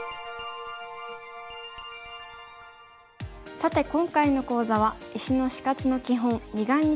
さて今回の講座は石の死活の基本二眼について学びました。